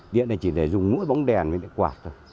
điện này chỉ để dùng mũi bóng đèn và quạt thôi